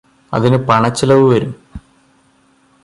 അതിനു പണചെലവ് വരും